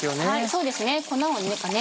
そうですね粉をね